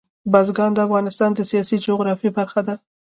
بزګان د افغانستان د سیاسي جغرافیه برخه ده.